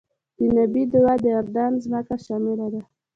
د نبی دعا کې د اردن ځمکه شامله ده.